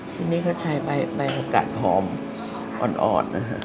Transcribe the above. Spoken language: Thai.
ทีนี้ก็ใช้ใบผักกัดหอมอ่อนนะครับ